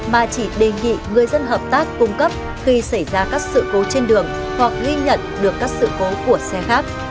mà chỉ đề nghị người dân hợp tác cung cấp khi xảy ra các sự cố trên đường hoặc ghi nhận được các sự cố của xe khác